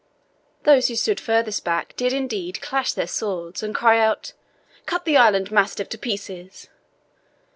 Those who stood farthest back did, indeed, clash their swords, and cry out, "Cut the island mastiff to pieces!"